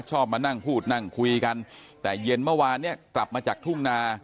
มานั่งพูดนั่งคุยกันแต่เย็นเมื่อวานเนี่ยกลับมาจากทุ่งนา